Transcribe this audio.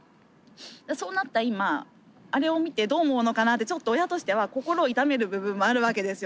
そうなった今あれを見てどう思うのかなってちょっと親としては心を痛める部分もあるわけですよ。